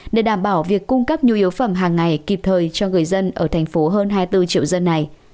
để đảm bảo việc cung cấp nhu yếu phẩm hàng ngày kịp thời cho người dân ở thành phố hơn hai mươi bốn triệu dân này